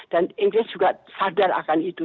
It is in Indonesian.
inggris juga sadar akan itu